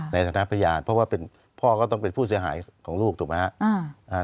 ในฐานะพยานเพราะว่าพ่อก็ต้องเป็นผู้เสียหายของลูกถูกไหมครับ